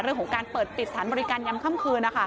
เรื่องของการเปิดปิดสถานบริการยำค่ำคืน